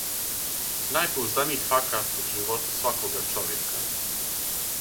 најпоузданији факат у животу свакога човека